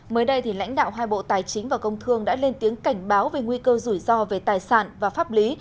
mới đây lãnh đạo hai bộ tài chính và công thương đã lên tiếng cảnh báo về nguy cơ rủi ro về tài sản và pháp lý